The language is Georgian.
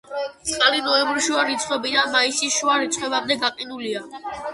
წყალი ნოემბრის შუა რიცხვებიდან მაისის შუა რიცხვებამდე გაყინულია.